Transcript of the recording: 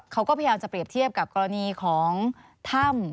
เขาก็พยายามจะเปรียบเทียบกับกรณีของถ้ำ